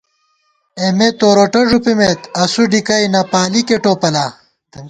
اېمے توروٹہ ݫُپِمېت ، اسُو ڈِکئی نہ پالِیکے ٹوپلا